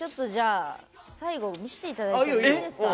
最後見せていただいてもいいですか。